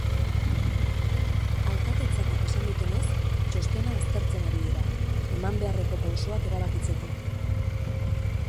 Alkatetzatik esan dutenez, txostena aztertzen ari dira, eman beharreko pausoak erabakitzeko.